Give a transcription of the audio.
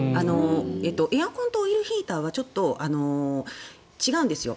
エアコンとオイルヒーターは違うんですよ。